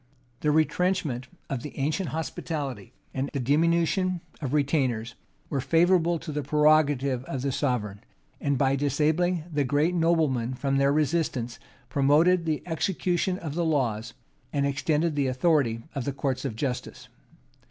The retrenchment of the ancient hospitality, and the diminution of retainers, were favorable to the prerogative of the sovereign; and, by disabling the great noblemen from resistance, promoted the execution of the laws, and extended the authority of the courts of justice.